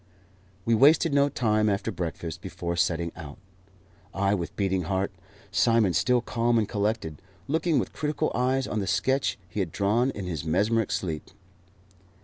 We wasted no time after breakfast before setting out I with beating heart, Simon still calm and collected, looking with critical eyes on the sketch he had drawn in his mesmeric sleep.